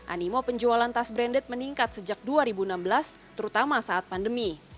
animo penjualan tas branded meningkat sejak dua ribu enam belas terutama saat pandemi